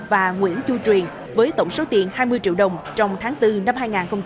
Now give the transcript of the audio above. và nguyễn chu truyền với tổng số tiền hai mươi triệu đồng trong tháng bốn năm hai nghìn hai mươi